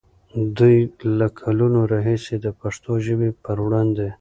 دوی له کلونو راهیسې د پښتو ژبې پر وړاندې